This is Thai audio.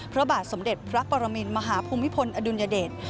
พระบาทสมเด็จพระปรมินมหาภูมิพลอดุลยเดช